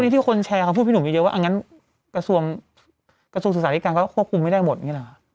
ที่คนแชร์เขาพูดพี่หนุ่มเยอะว่าอันนั้นกระทรวงศึกษาธิการก็ควบคุมไม่ได้หมดอย่างนี้หรอ